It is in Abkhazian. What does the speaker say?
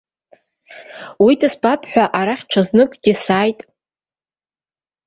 Уи дызбап ҳәа арахь ҽазныкгьы сааит.